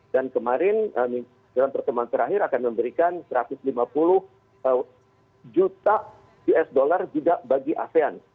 dan kemarin dalam pertemuan terakhir akan memberikan satu ratus lima puluh juta us dollar juga bagi asean